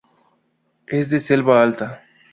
Es de selva alta.